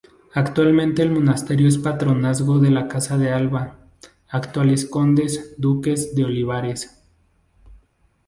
Actualmente el monasterio es patronazgo de la Casa de Alba, actuales condes-duques de Olivares.